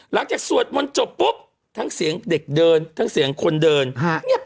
สวดมนต์จบปุ๊บทั้งเสียงเด็กเดินทั้งเสียงคนเดินฮะ